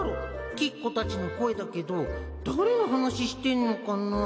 きっこたちの声だけど誰の話してるのかな？